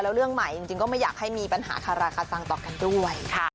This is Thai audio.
แล้วเรื่องใหม่จริงก็ไม่อยากให้มีปัญหาคาราคาซังต่อกันด้วย